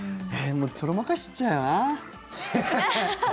もう、ちょろまかしちゃうよな。